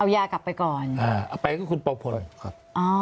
ไปกับคนปล่มการ